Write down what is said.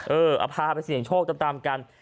เออเอาพาไปเสี่ยงโชคตามกัน